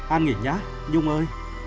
ăn nghỉ nhé nhung ơi